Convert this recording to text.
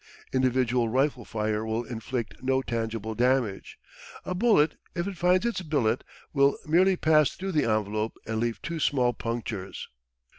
Individual rifle fire will inflict no tangible damage. A bullet, if it finds its billet, will merely pass through the envelope and leave two small punctures.